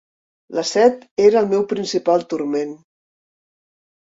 La set era el meu principal turment.